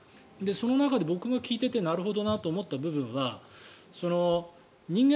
その中で僕が聞いてなるほどなと思った部分は人間